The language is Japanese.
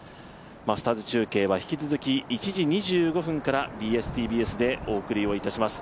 マスターズ中継は引き続き１時２５分からＢＳ−ＴＢＳでお届けします。